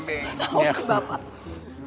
tau semua pak